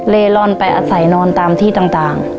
ลอนไปอาศัยนอนตามที่ต่าง